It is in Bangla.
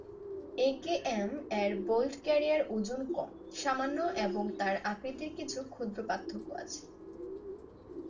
একেএম এর বোল্ট ক্যারিয়ার ওজন কম, সামান্য এবং তার আকৃতির কিছু ক্ষুদ্র পার্থক্য আছে।